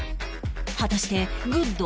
果たしてグッド？